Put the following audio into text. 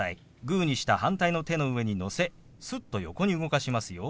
グーにした反対の手の上にのせすっと横に動かしますよ。